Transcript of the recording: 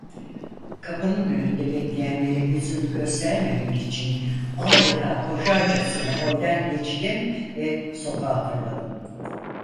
Kapının önünde bekleyenlere yüzümü göstermemek için adeta koşarcasına holden geçtim ve sokağa fırladım.